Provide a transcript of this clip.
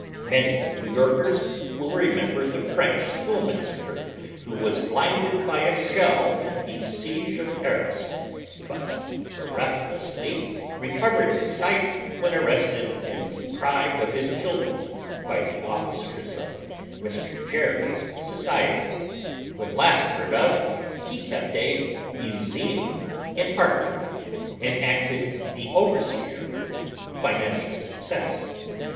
Many New Yorkers will remember the Frencli school master who was " blinded by a shell at tiie siege of Paris," but miraculonsly recovered his sight when arrested and deprived of his cliildren by the officers of Mi'. Gerry's society. When last heard of he kept a " museum " in Hartford, and acted the overseer with financial success.